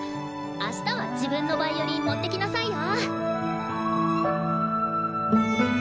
あしたは自分のヴァイオリン持ってきなさいよ。